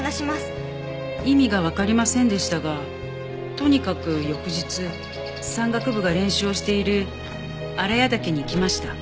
意味がわかりませんでしたがとにかく翌日山岳部が練習をしている荒谷岳に行きました。